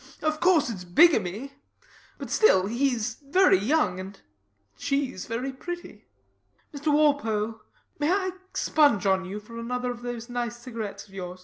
Of course it's bigamy; but still he's very young; and she's very pretty. Mr Walpole: may I spunge on you for another of those nice cigarets of yours?